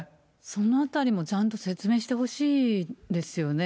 そのあたりもちゃんと説明してほしいですよね。